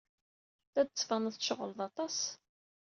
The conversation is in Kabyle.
La d-tettbaned tceɣled aṭas.